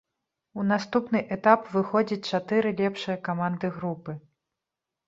У наступны этап выходзяць чатыры лепшыя каманды групы.